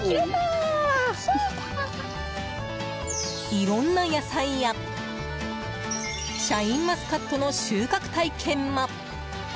いろんな野菜やシャインマスカットの収穫体験も。